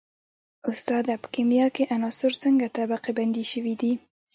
استاده په کیمیا کې عناصر څنګه طبقه بندي شوي دي